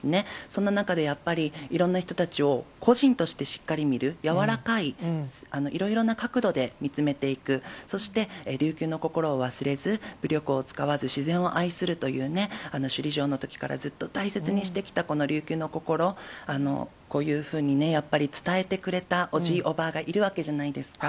そんな中でやっぱり、いろんな人たちを個人としてしっかり見る、柔らかい、いろいろな角度で見つめていく、そして琉球の心を忘れず、武力を使わず、自然を愛するというね、首里城のときからずっと大切にしてきた、この琉球の心、こういうふうにね、やっぱり伝えてくれたおじい、おばあがいるわけじゃないですか。